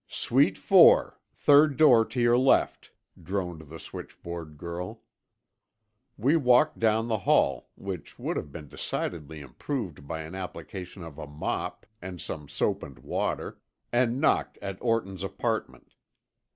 "Suite Four, third door to your left," droned the switchboard girl. We walked down the hall, which would have been decidedly improved by an application of a mop and some soap and water, and knocked at Orton's apartment.